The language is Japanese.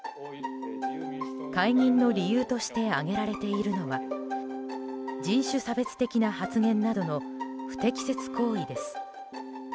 解任の理由として挙げられているのは人種差別的な発言などの不適切行為です。